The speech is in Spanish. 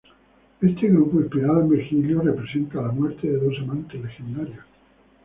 Este grupo inspirado en Virgilio representa la muerte de dos amantes legendarios.